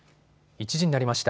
１時になりました。